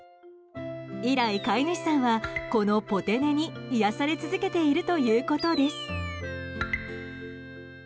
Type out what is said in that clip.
以来、飼い主さんはこのぽて寝に癒やされ続けているということです。